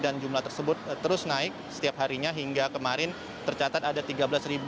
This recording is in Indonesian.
dan jumlah tersebut terus naik setiap harinya hingga kemarin tercatat ada tiga belas lebih penumpang